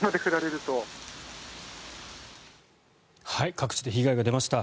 各地で被害が出ました。